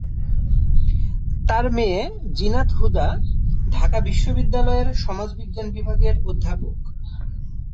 তার মেয়ে জিনাত হুদা ঢাকা বিশ্ববিদ্যালয়ের সমাজবিজ্ঞান বিভাগের অধ্যাপক।